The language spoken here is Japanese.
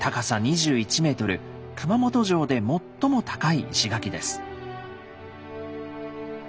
熊本城で最も高い石垣です。